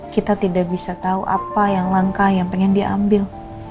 kita tidak bisa tahu apa yang langkah yang pengen diambil